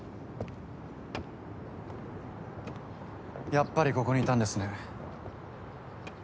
やっぱりここにいたんですね。